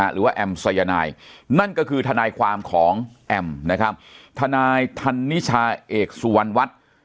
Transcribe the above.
แอมสายนายนั่นก็คือทนายความของแอมนะครับทนายธันนิชาเอกสุวรรณวัฒน์